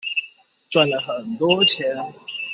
賺了很多錢